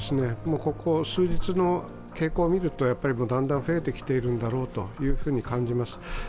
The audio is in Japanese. ここ数日の傾向を見ると、だんだん増えてきているんだろうというふうに感じます。